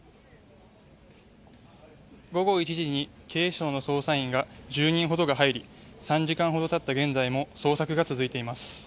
午後１時に警視庁の捜査員１０人ほどが入り３時間ほど経った現在も捜索が続いています。